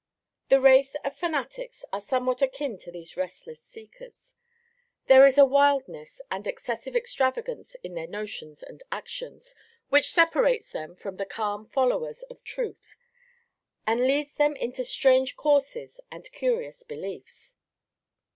The race of Fanatics are somewhat akin to these restless seekers. There is a wildness and excessive extravagance in their notions and actions which separates them from the calm followers of Truth, and leads them into strange courses and curious beliefs.